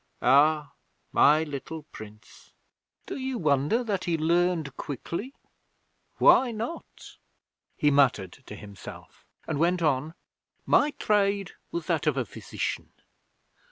Ah, my little Prince! Do you wonder that he learned quickly? Why not?' He muttered to himself and went on: 'My trade was that of a physician.